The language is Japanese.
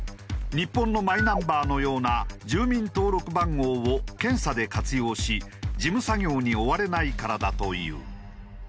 日本のマイナンバーのような住民登録番号を検査で活用し事務作業に追われないからだという。